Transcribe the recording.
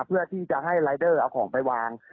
เพื่อที่จะให้รายเดอร์เอาของไปวาง